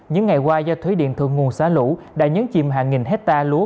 những ngày qua do thuế điện thượng nguồn xá lũ đã nhấn chìm hàng nghìn hectare lúa